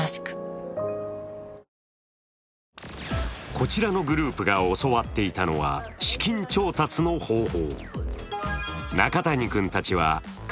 こちらのグループが教わっていたのは資金調達の方法。